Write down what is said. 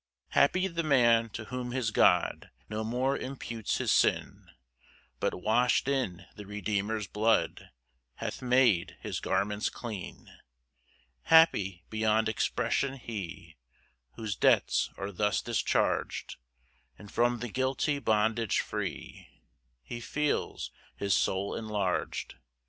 1 Happy the man to whom his God No more imputes his sin, But wash'd in the Redeemer's blood, Hath made his garments clean! 2 Happy, beyond expression, he Whose debts are thus discharg'd; And from the guilty bondage free, He feels his soul enlarg'd.